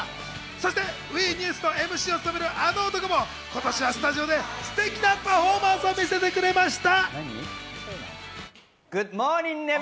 ＷＥニュースのＭＣを務める、あの男も今年はスタジオでステキなパフォーマンスを見せてくれました。